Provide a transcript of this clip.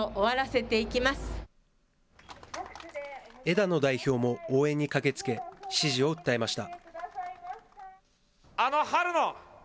枝野代表も応援に駆けつけ、支持を訴えました。